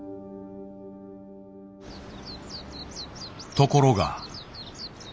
ところが。